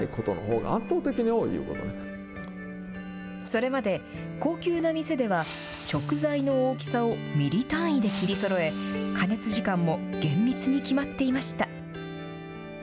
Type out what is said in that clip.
それまで高級な店では食材の大きさをミリ単位で切りそろえ、加熱時間も厳密に決まっていました。